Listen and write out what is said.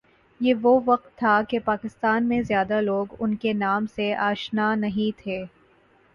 یہ وہ وقت تھا کہ پاکستان میں زیادہ لوگ ان کے نام سے آشنا نہیں تھے